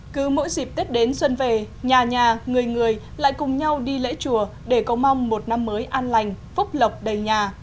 cứ mỗi dịp tết đến xuân về nhà nhà người người lại cùng nhau đi lễ chùa để cầu mong một năm mới an lành phúc lộc đầy nhà